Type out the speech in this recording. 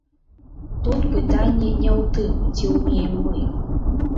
Тут пытанне не ў тым, ці ўмеем мы.